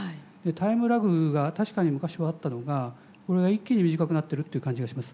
タイムラグが確かに昔はあったのがこれが一気に短くなってるっていう感じがします。